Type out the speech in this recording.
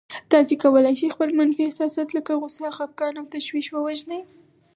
تاسې کولای شئ خپل منفي احساسات لکه غوسه، خپګان او تشويش ووژنئ.